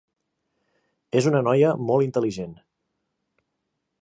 És una noia molt intel·ligent".